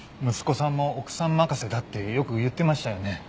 息子さんも奥さん任せだってよく言ってましたよね。